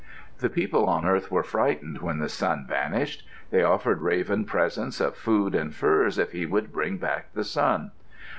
The people on earth were frightened when the sun vanished. They offered Raven presents of food and furs if he would bring back the sun.